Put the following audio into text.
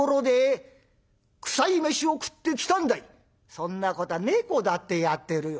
「そんなことは猫だってやってるよ」。